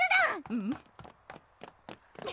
うん？